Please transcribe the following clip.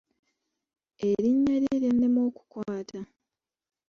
Erinnya lye lyannema okukwata.